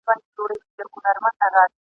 د لومړي ځل لپاره خپل شعر ولووست !.